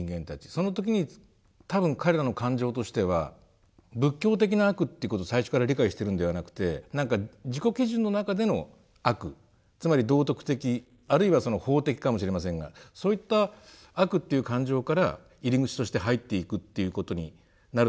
その時に多分彼らの感情としては仏教的な悪っていうことを最初から理解してるんではなくてなんか自己基準の中での悪つまり道徳的あるいは法的かもしれませんがそういった悪っていう感情から入り口として入っていくっていうことになると思うんですけれども。